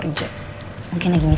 ada apa lagi sih